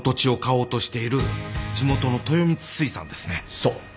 そう。